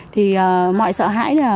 thì mọi sợ hãi